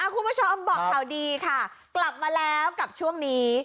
คุณผู้ชมบอกข่าวดีค่ะกลับมาแล้วกับช่วงนี้